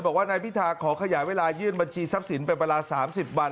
บอกว่านายพิธาขอขยายเวลายื่นบัญชีทรัพย์สินเป็นเวลา๓๐วัน